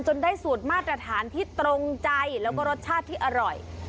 ได้สูตรมาตรฐานที่ตรงใจแล้วก็รสชาติที่อร่อย